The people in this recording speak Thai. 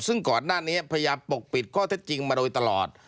ซึ่งก่อนหน้านี้พยายามปกปิดข้อเท็จจริงมาโดยตลอด